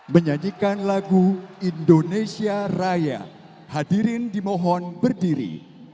menyanyikan lagu indonesia raya hadirin dimohon berdiri